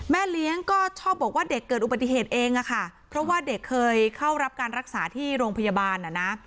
เลี้ยงก็ชอบบอกว่าเด็กเกิดอุบัติเหตุเองอะค่ะเพราะว่าเด็กเคยเข้ารับการรักษาที่โรงพยาบาลอ่ะนะ